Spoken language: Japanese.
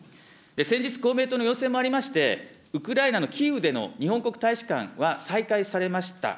先日、公明党の要請もありまして、ウクライナのキーウでの日本国大使館は再開されました。